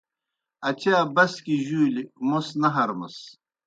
اچا بَسکِیْ جُولیْ موْس نہ ہرمَس۔